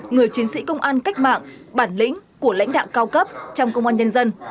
người chiến sĩ công an cách mạng bản lĩnh của lãnh đạo cao cấp trong công an nhân dân